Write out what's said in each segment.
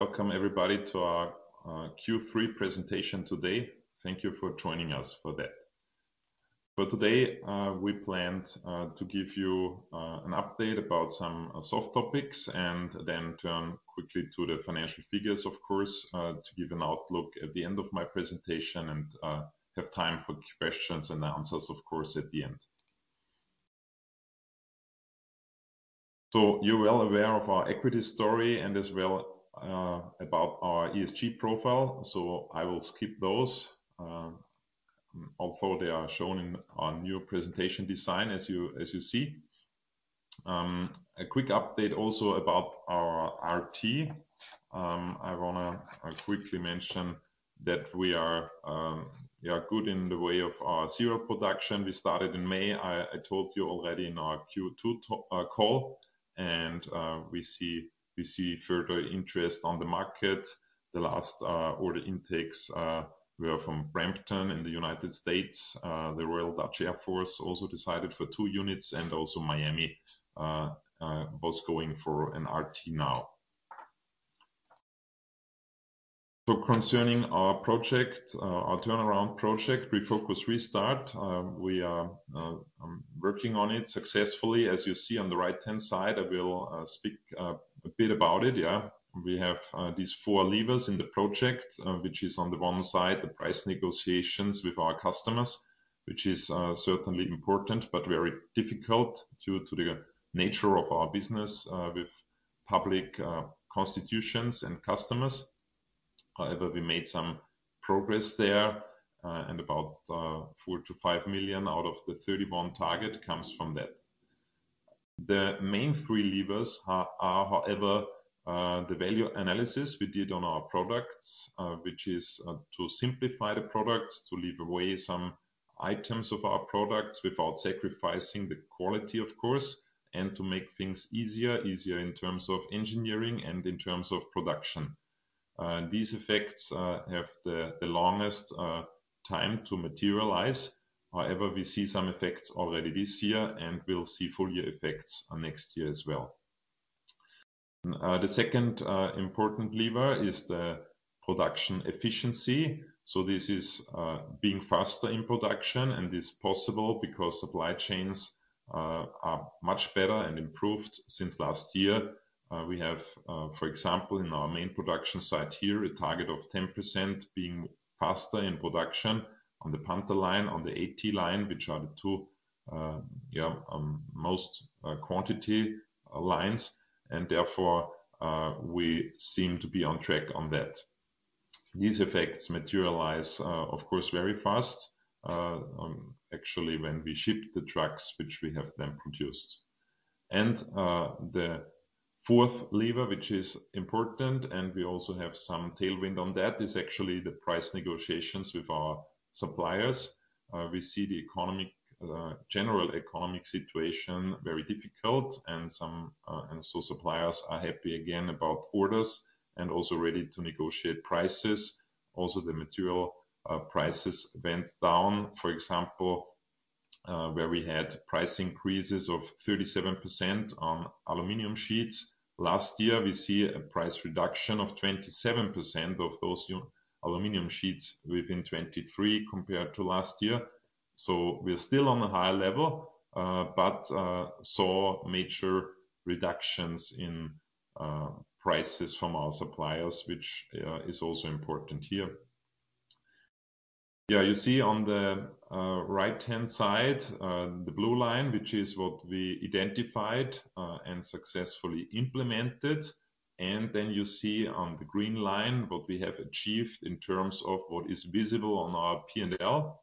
Welcome, everybody, to our Q3 presentation today. Thank you for joining us for that. For today, we planned to give you an update about some soft topics and then turn quickly to the financial figures, of course, to give an outlook at the end of my presentation and have time for questions and answers, of course, at the end. So you're well aware of our equity story and as well about our ESG profile, so I will skip those, although they are shown in our new presentation design, as you see. A quick update also about our RT. I wanna quickly mention that we are good in the way of our serial production. We started in May. I told you already in our Q2 call, and we see further interest on the market. The last order intakes were from Brampton in the United States. The Royal Dutch Air Force also decided for two units, and also Miami was going for an RT now. So concerning our project, our turnaround project, Refocus, Restart, we are working on it successfully. As you see on the right-hand side, I will speak a bit about it. Yeah. We have these four levers in the project, which is on the one side, the price negotiations with our customers, which is certainly important but very difficult due to the nature of our business, with public constitutions and customers. However, we made some progress there, and about 4-5 million out of the 31 target comes from that. The main three levers are, however, the value analysis we did on our products, which is to simplify the products, to leave away some items of our products without sacrificing the quality, of course, and to make things easier in terms of engineering and in terms of production. And these effects have the longest time to materialize. However, we see some effects already this year, and we'll see full year effects next year as well. The second important lever is the production efficiency. So this is being faster in production, and it's possible because supply chains are much better and improved since last year. We have, for example, in our main production site here, a target of 10% being faster in production on the PANTHER line, on the AT line, which are the two most quantity lines, and therefore, we seem to be on track on that. These effects materialize, of course, very fast, actually, when we ship the trucks, which we have then produced. The fourth lever, which is important, and we also have some tailwind on that, is actually the price negotiations with our suppliers. We see the general economic situation very difficult, and so suppliers are happy again about orders and also ready to negotiate prices. Also, the material prices went down. For example, where we had price increases of 37% on aluminum sheets. Last year, we see a price reduction of 27% of those aluminum sheets within 2023, compared to last year. So we're still on a high level, but saw major reductions in prices from our suppliers, which is also important here. Yeah, you see on the right-hand side the blue line, which is what we identified and successfully implemented, and then you see on the green line what we have achieved in terms of what is visible on our P&L.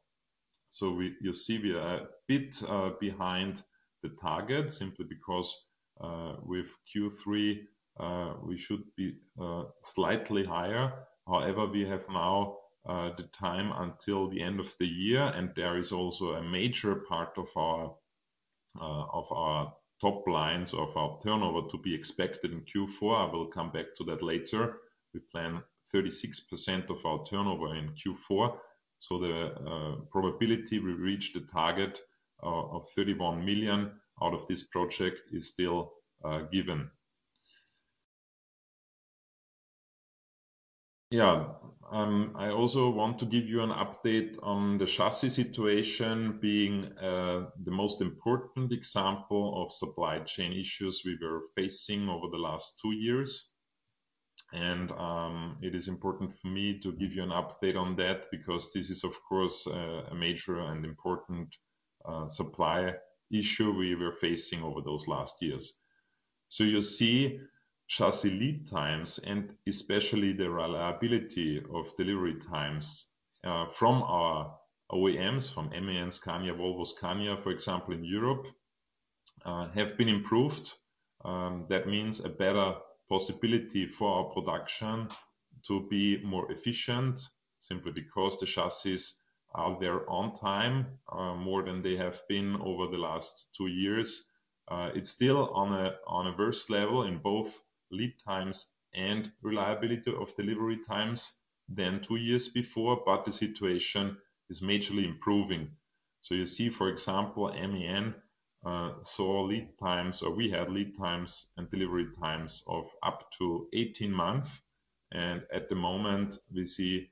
So we... You see we are a bit behind the target, simply because with Q3 we should be slightly higher. However, we have now the time until the end of the year, and there is also a major part of our top lines, of our turnover to be expected in Q4. I will come back to that later. We plan 36% of our turnover in Q4, so the probability we reach the target of 31 million out of this project is still given. Yeah, I also want to give you an update on the chassis situation being the most important example of supply chain issues we were facing over the last two years. It is important for me to give you an update on that, because this is, of course, a major and important supply issue we were facing over those last years. So you see chassis lead times, and especially the reliability of delivery times from our OEMs, from MAN, Scania, Volvo, Scania, for example, in Europe, have been improved. That means a better possibility for our production to be more efficient, simply because the chassis are there on time, more than they have been over the last two years. It's still on a worse level in both lead times and reliability of delivery times than two years before, but the situation is majorly improving. So you see, for example, MAN saw lead times, or we had lead times and delivery times of up to 18 months, and at the moment, we see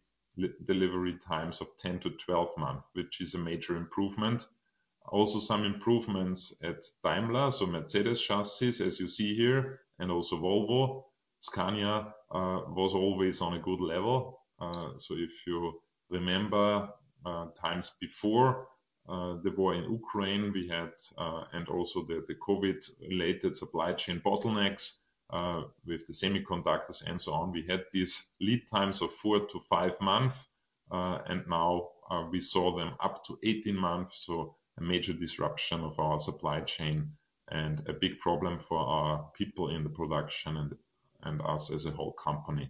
delivery times of 10-12 months, which is a major improvement. Also, some improvements at Daimler, so Mercedes chassis, as you see here, and also Volvo. Scania was always on a good level. So if you remember, times before the war in Ukraine, we had and also the COVID-related supply chain bottlenecks with the semiconductors and so on. We had these lead times of 4-5 months, and now we saw them up to 18 months, so a major disruption of our supply chain and a big problem for our people in the production and us as a whole company.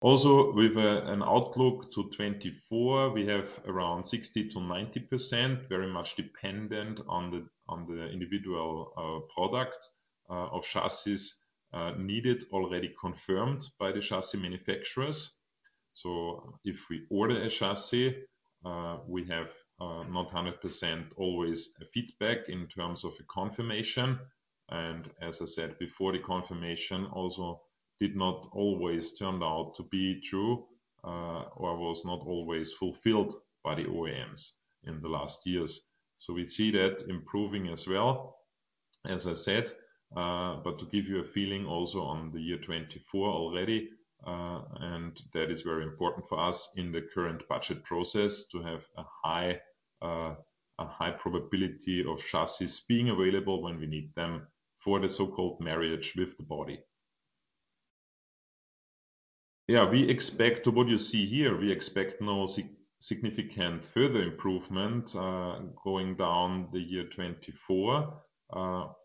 Also, with an outlook to 2024, we have around 60%-90%, very much dependent on the individual product of chassis needed, already confirmed by the chassis manufacturers. So if we order a chassis, we have not 100% always a feedback in terms of a confirmation. As I said before, the confirmation also did not always turn out to be true, or was not always fulfilled by the OEMs in the last years. So we see that improving as well, as I said. But to give you a feeling also on the year 2024 already, and that is very important for us in the current budget process, to have a high, a high probability of chassis being available when we need them for the so-called marriage with the body. Yeah, we expect what you see here. We expect no significant further improvement, going down the year 2024.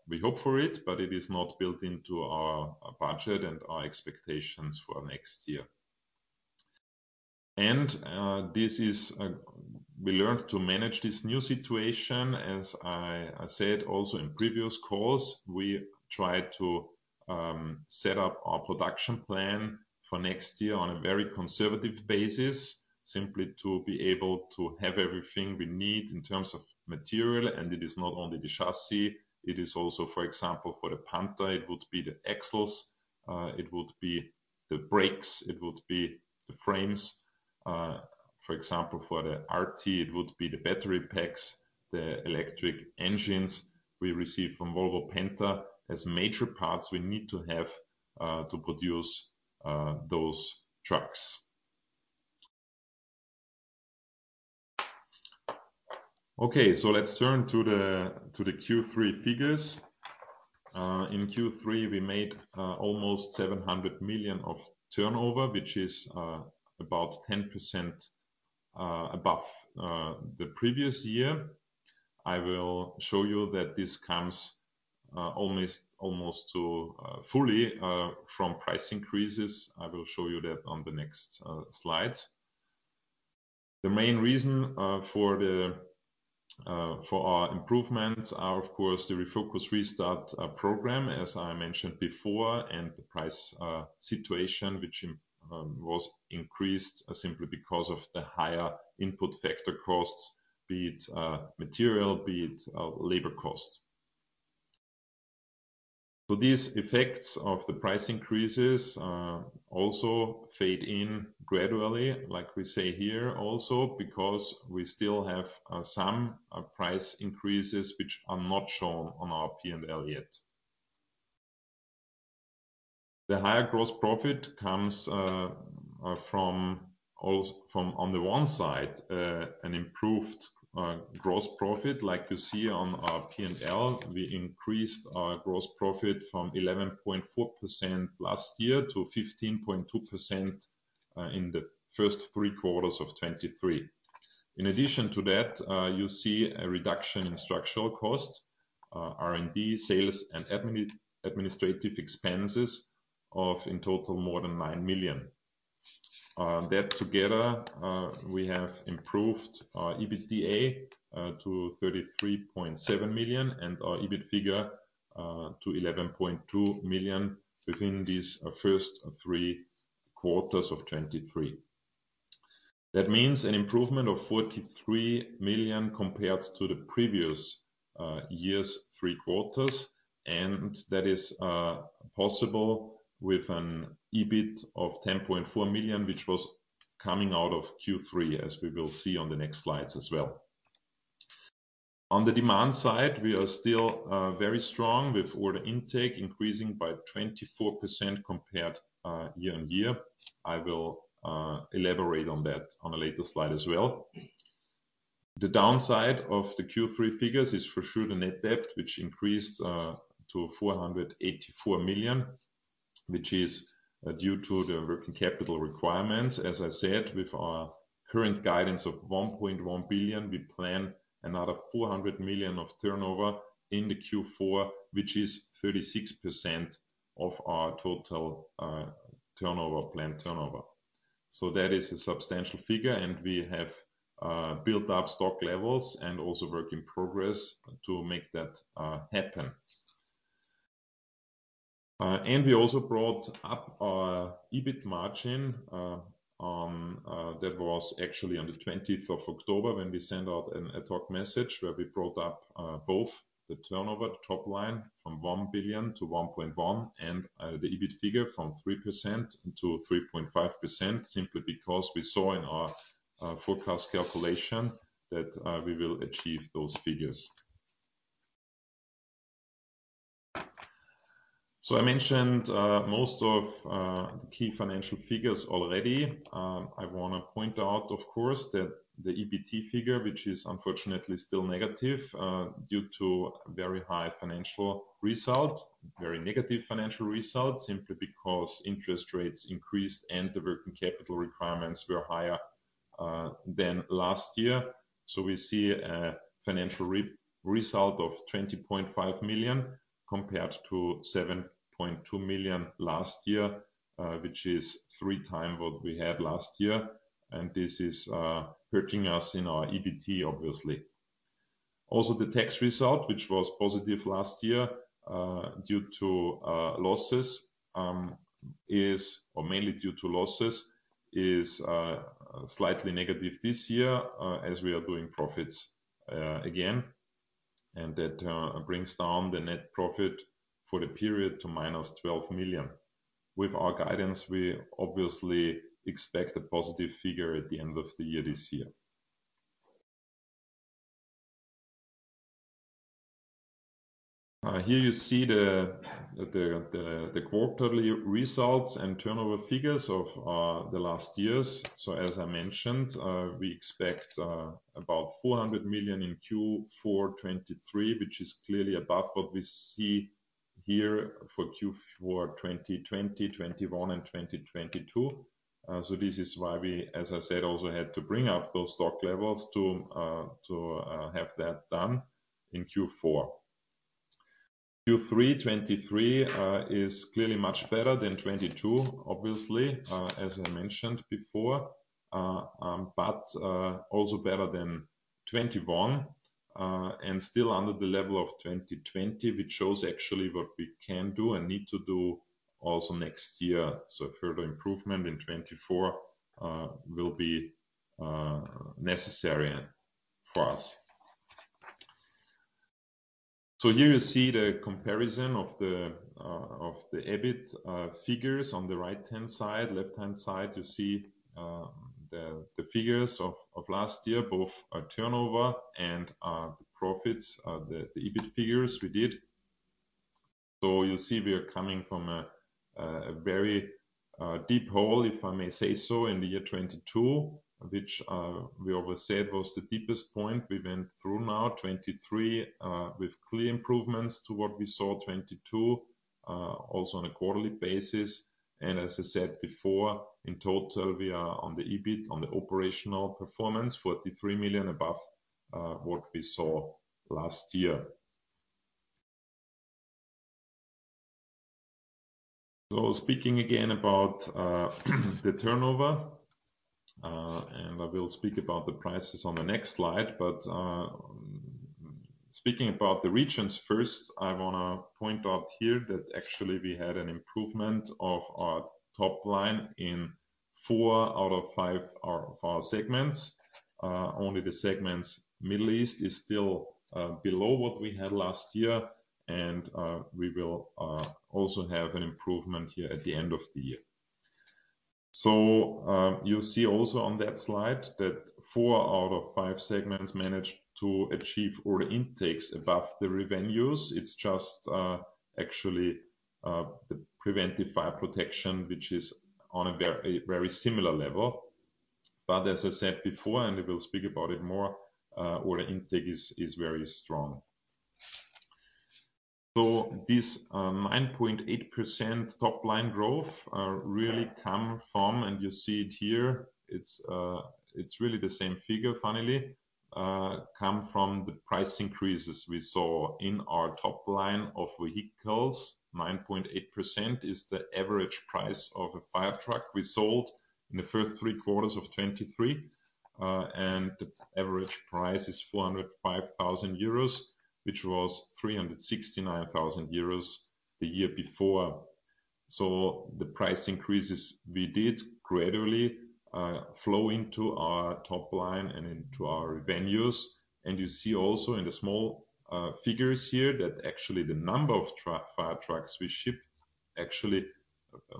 We hope for it, but it is not built into our budget and our expectations for next year. And, this is... We learned to manage this new situation. As I, I said also in previous calls, we tried to set up our production plan for next year on a very conservative basis, simply to be able to have everything we need in terms of material. And it is not only the chassis, it is also, for example, for the PANTHER, it would be the axles, it would be the brakes, it would be the frames. For example, for the RT, it would be the battery packs, the electric engines we receive from Volvo Penta. As major parts, we need to have to produce those trucks. Okay, so let's turn to the Q3 figures. In Q3, we made almost 700 million of turnover, which is about 10% above the previous year. I will show you that this comes almost to fully from price increases. I will show you that on the next slides. The main reason for our improvements are, of course, the Refocus Restart program, as I mentioned before, and the price situation, which was increased simply because of the higher input factor costs, be it material, be it labor costs. So these effects of the price increases also fade in gradually, like we say here, also, because we still have some price increases which are not shown on our P&L yet. The higher gross profit comes from, on the one side, an improved gross profit. Like you see on our P&L, we increased our gross profit from 11.4% last year to 15.2%, in the first three quarters of 2023. In addition to that, you see a reduction in structural costs, R&D, sales, and administrative expenses of, in total, more than 9 million. That together, we have improved our EBITDA to 33.7 million and our EBIT figure to 11.2 million between these first three quarters of 2023. That means an improvement of 43 million compared to the previous year's three quarters, and that is possible with an EBIT of 10.4 million, which was coming out of Q3, as we will see on the next slides as well. On the demand side, we are still very strong with order intake increasing by 24% compared year-on-year. I will elaborate on that on a later slide as well. The downside of the Q3 figures is for sure the net debt, which increased to 484 million, which is due to the working capital requirements. As I said, with our current guidance of 1.1 billion, we plan another 400 million of turnover in the Q4, which is 36% of our total turnover, planned turnover. So that is a substantial figure, and we have built up stock levels and also work in progress to make that happen. We also brought up our EBIT margin, that was actually on the 20th of October, when we sent out an ad hoc message, where we brought up both the turnover top line from 1 billion to 1.1 billion, and the EBIT figure from 3% to 3.5%, simply because we saw in our forecast calculation that we will achieve those figures. I mentioned most of the key financial figures already. I want to point out, of course, that the EBT figure, which is unfortunately still negative, due to very high financial results, very negative financial results, simply because interest rates increased and the working capital requirements were higher than last year. So we see a financial result of 20.5 million compared to 7.2 million last year, which is 3x what we had last year, and this is hurting us in our EBT, obviously. Also, the tax result, which was positive last year, due to losses, or mainly due to losses, is slightly negative this year, as we are doing profits again, and that brings down the net profit for the period to -12 million. With our guidance, we obviously expect a positive figure at the end of the year, this year. Here you see the quarterly results and turnover figures of the last years. So as I mentioned, we expect about 400 million in Q4 2023, which is clearly above what we see here for Q4 2020, 2021 and 2022. So this is why we, as I said, also had to bring up those stock levels to have that done in Q4. Q3 2023 is clearly much better than 2022, obviously, as I mentioned before, but also better than 2021, and still under the level of 2020, which shows actually what we can do and need to do also next year. So further improvement in 2024 will be necessary for us. So here you see the comparison of the EBIT figures on the right-hand side. Left-hand side, you see, the figures of last year, both our turnover and the profits, the EBIT figures we did. So you see, we are coming from a very deep hole, if I may say so, in the year 2022, which we always said was the deepest point we went through now, 2023, with clear improvements to what we saw 2022, also on a quarterly basis. And as I said before, in total, we are on the EBIT, on the operational performance, 43 million above what we saw last year. So speaking again about the turnover, and I will speak about the prices on the next slide, but speaking about the regions first, I want to point out here that actually we had an improvement of our top line in four out of five of our segments. Only the Middle East segment is still below what we had last year, and we will also have an improvement here at the end of the year. So you see also on that slide that four out of five segments managed to achieve order intakes above the revenues. It's just actually the Preventive Fire Protection, which is on a very similar level. But as I said before, and we will speak about it more, order intake is very strong. So this, 9.8% top-line growth really come from, and you see it here, it's, it's really the same figure, finally, come from the price increases we saw in our top line of vehicles. 9.8% is the average price of a fire truck we sold in the first three quarters of 2023, and the average price is 405,000 euros, which was 369,000 euros the year before. So the price increases we did gradually flow into our top line and into our revenues. And you see also in the small figures here, that actually the number of fire trucks we shipped actually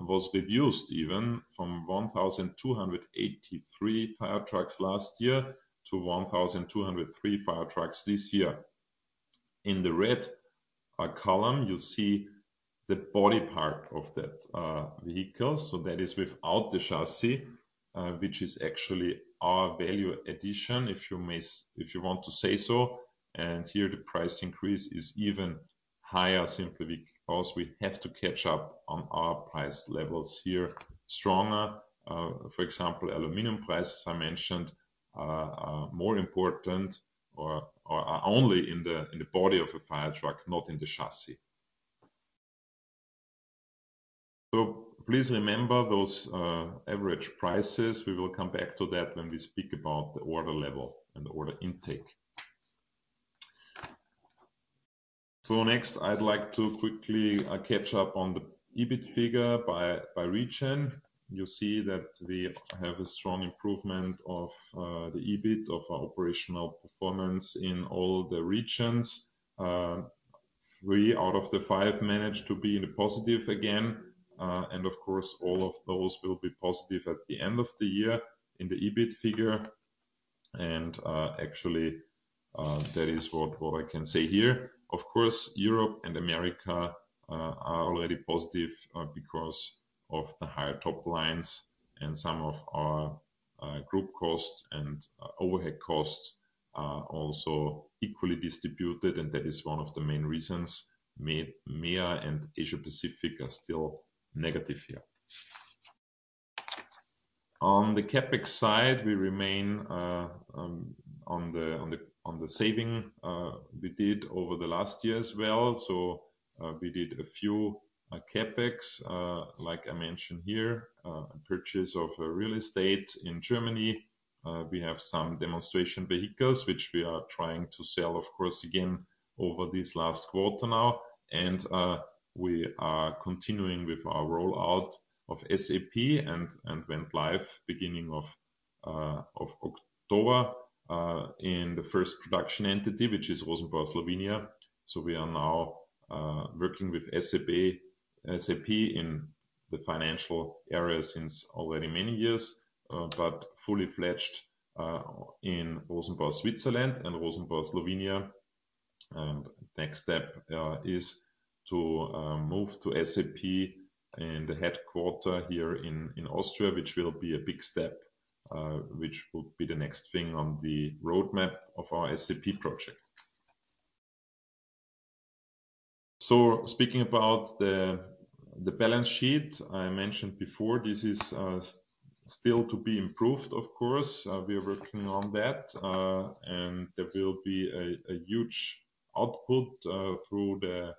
was reduced even from 1,283 fire trucks last year to 1,203 fire trucks this year. In the red column, you see the body part of that vehicle, so that is without the chassis, which is actually our value addition, if you may say so. And here the price increase is even higher, simply because we have to catch up on our price levels here stronger. For example, aluminum prices, I mentioned, are more important or are only in the body of a fire truck, not in the chassis. So please remember those average prices. We will come back to that when we speak about the order level and the order intake. So next, I'd like to quickly catch up on the EBIT figure by region. You see that we have a strong improvement of the EBIT of our operational performance in all the regions. Three out of the five managed to be in the positive again, and of course, all of those will be positive at the end of the year in the EBIT figure. Actually, that is what, what I can say here. Of course, Europe and America are already positive because of the higher top lines, and some of our group costs and overhead costs are also equally distributed, and that is one of the main reasons MEA and Asia Pacific are still negative here. On the CapEx side, we remain on the saving we did over the last year as well. So, we did a few CapEx, like I mentioned here. Purchase of a real estate in Germany. We have some demonstration vehicles, which we are trying to sell, of course, again, over this last quarter now. We are continuing with our rollout of SAP and went live beginning of October in the first production entity, which is Rosenbauer Slovenia. So we are now working with SAP in the financial area since already many years, but fully fledged in Rosenbauer Switzerland and Rosenbauer Slovenia. Next step is to move to SAP and the headquarter here in Austria, which will be a big step, which will be the next thing on the roadmap of our SAP project. So speaking about the balance sheet I mentioned before, this is still to be improved, of course. We are working on that. And there will be a huge output through the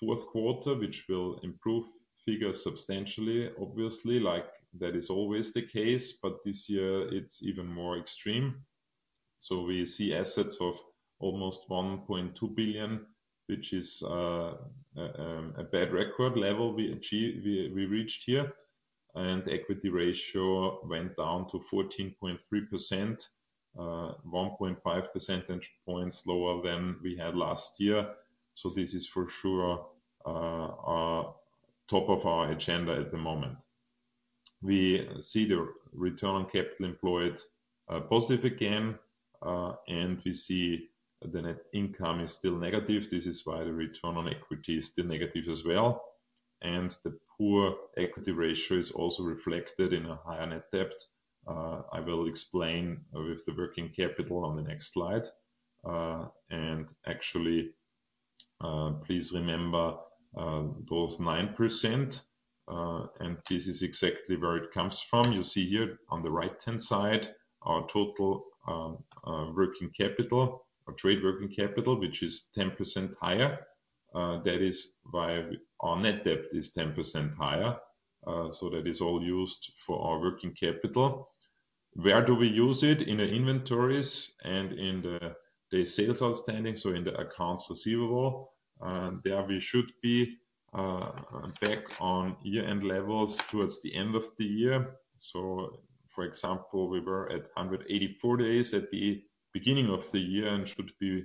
fourth quarter, which will improve figures substantially, obviously, like that is always the case, but this year it's even more extreme. So we see assets of almost 1.2 billion, which is a bad record level we reached here, and equity ratio went down to 14.3%, 1.5 percentage points lower than we had last year. So this is for sure top of our agenda at the moment. We see the return on capital employed positive again, and we see the net income is still negative. This is why the return on equity is still negative as well, and the poor equity ratio is also reflected in a higher net debt. I will explain with the working capital on the next slide. Actually, please remember those 9%, and this is exactly where it comes from. You see here on the right-hand side, our total working capital or trade working capital, which is 10% higher. That is why our net debt is 10% higher. So that is all used for our working capital. Where do we use it? In the inventories and in the sales outstanding, so in the accounts receivable. And there we should be back on year-end levels towards the end of the year. So for example, we were at 184 days at the beginning of the year and should be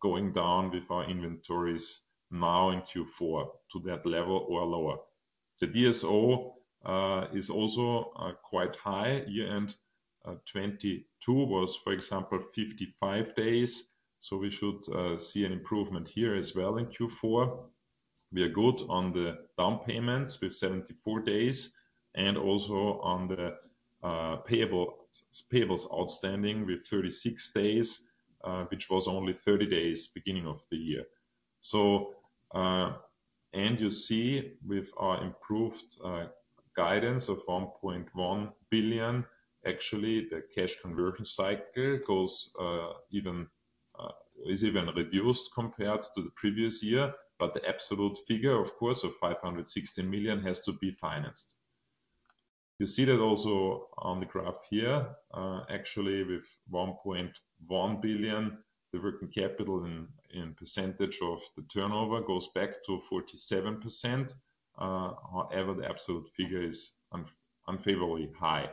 going down with our inventories now in Q4 to that level or lower. The DSO is also quite high. Year-end 2022 was, for example, 55 days, so we should see an improvement here as well in Q4. We are good on the down payments with 74 days, and also on the payables outstanding with 36 days, which was only 30 days beginning of the year. So... And you see with our improved guidance of 1.1 billion, actually, the Cash Conversion Cycle goes even is even reduced compared to the previous year. But the absolute figure, of course, of 516 million, has to be financed. You see that also on the graph here. Actually, with 1.1 billion, the working capital in percentage of the turnover goes back to 47%. However, the absolute figure is unfavorably high.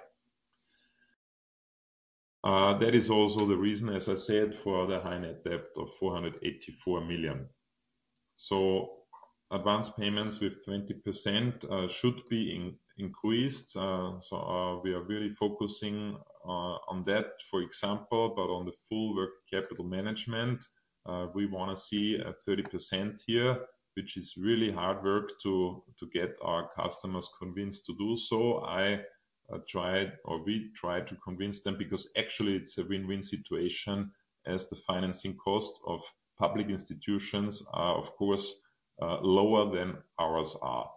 That is also the reason, as I said, for the high net debt of 484 million. So advanced payments with 20% should be increased. So, we are really focusing on that, for example, but on the full working capital management, we wanna see a 30% here, which is really hard work to get our customers convinced to do so. I tried, or we tried to convince them, because actually it's a win-win situation, as the financing costs of public institutions are, of course, lower than ours are.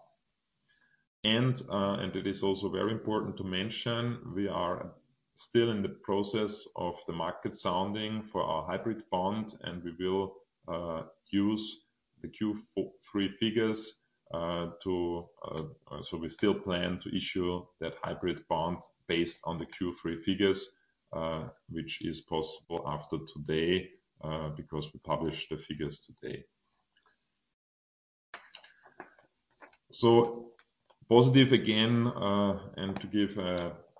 And it is also very important to mention, we are still in the process of the market sounding for our hybrid bond, and we will use-... The Q4, Q3 figures, so we still plan to issue that hybrid bond based on the Q3 figures, which is possible after today, because we published the figures today. So positive again, and to give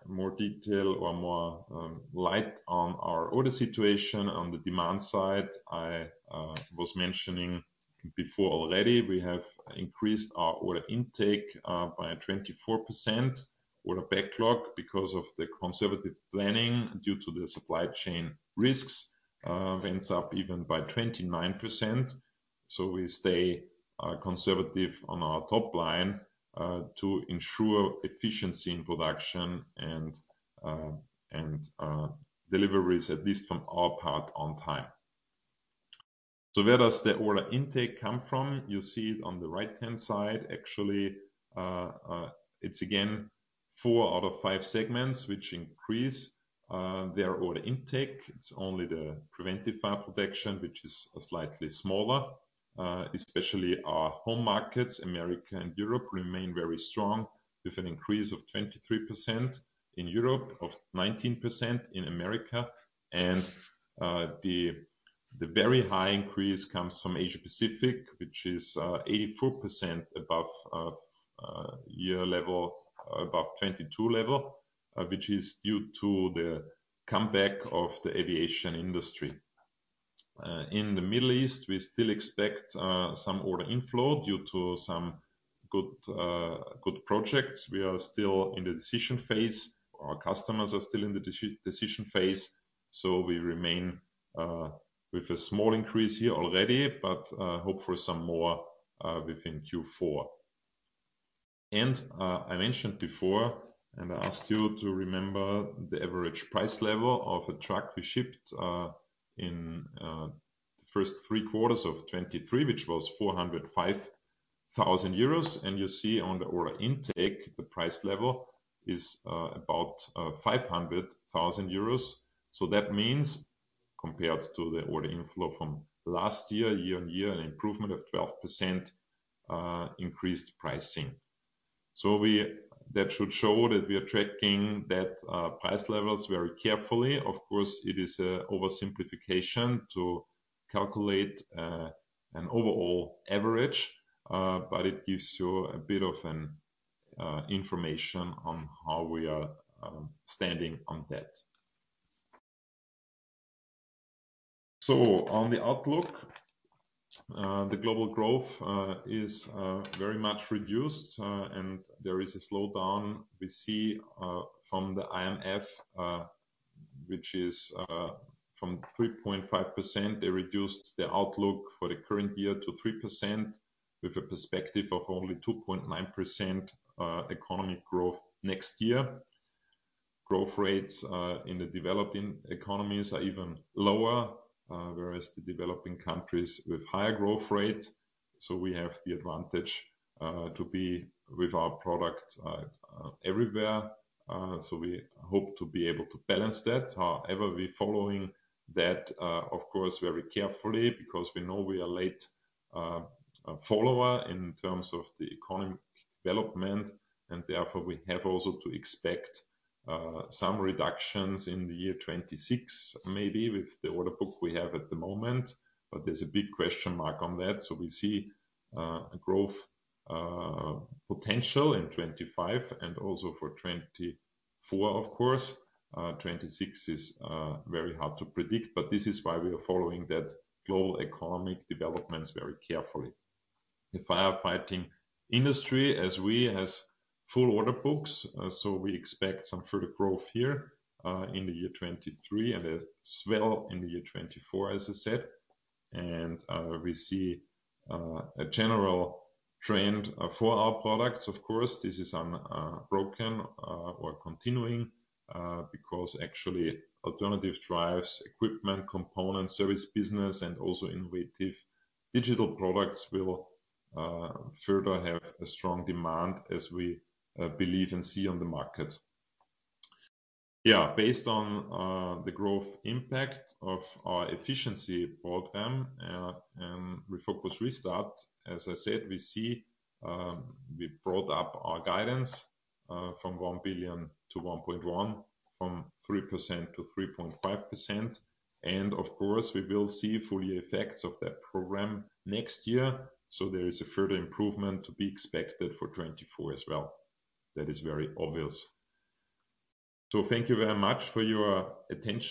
more detail or more light on our order situation. On the demand side, I was mentioning before already, we have increased our order intake by 24%. Order Backlog, because of the conservative planning due to the supply chain risks, went up even by 29%. So we stay conservative on our top line to ensure efficiency in production and deliveries, at least from our part, on time. So where does the order intake come from? You see it on the right-hand side. Actually, it's again, four out of five segments, which increase their order intake. It's only the Preventive Fire protection, which is slightly smaller. Especially our home markets, America and Europe, remain very strong, with an increase of 23% in Europe, of 19% in America. And, the very high increase comes from Asia Pacific, which is 84% above year level, above 2022 level, which is due to the comeback of the aviation industry. In the Middle East, we still expect some order inflow due to some good projects. We are still in the decision phase. Our customers are still in the decision phase, so we remain with a small increase here already, but hope for some more within Q4. I mentioned before, and I asked you to remember the average price level of a truck we shipped in the first three quarters of 2023, which was 405,000 euros. You see on the order intake, the price level is about 500,000 euros. So that means compared to the order inflow from last year, year-on-year, an improvement of 12%, increased pricing. That should show that we are tracking that price levels very carefully. Of course, it is an oversimplification to calculate an overall average, but it gives you a bit of an information on how we are standing on that. On the outlook, the global growth is very much reduced, and there is a slowdown. We see from the IMF, which is from 3.5%, they reduced their outlook for the current year to 3%, with a perspective of only 2.9%, economic growth next year. Growth rates in the developing economies are even lower, whereas the developing countries with higher growth rate. So we have the advantage to be with our product everywhere, so we hope to be able to balance that. However, we're following that of course very carefully, because we know we are late follower in terms of the economic development, and therefore, we have also to expect some reductions in the year 2026, maybe with the order book we have at the moment, but there's a big question mark on that. So we see a growth potential in 2025 and also for 2024, of course. 2026 is very hard to predict, but this is why we are following that global economic developments very carefully. The firefighting industry, as we, has full order books, so we expect some further growth here in the year 2023, and as well in the year 2024, as I said. And we see a general trend for our products. Of course, this is unbroken or continuing because actually alternative drives, equipment, components, service business, and also innovative digital products will further have a strong demand as we believe and see on the market. Yeah, based on the growth impact of our efficiency program and Refocus Restart, as I said, we see we brought up our guidance from 1 billion to 1.1 billion, from 3% to 3.5%. And of course, we will see full year effects of that program next year, so there is a further improvement to be expected for 2024 as well. That is very obvious. So thank you very much for your attention.